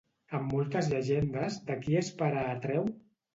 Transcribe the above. En moltes llegendes, de qui és pare Atreu?